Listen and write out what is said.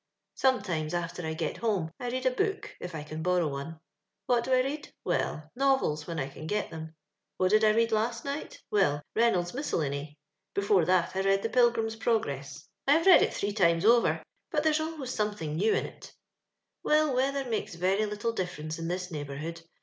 " Sometimes, after I get home, I read a book, if I can borrow one. What do I read? Well, novels, when I can get them. Wliat did I read last night? Well, Reynold Miaed lany; before that I read the PiU/rim'g Prtyress. I have read it three times over ; but there's always something new in it *' Well, weather makes very little differenoe in this neighbourhood.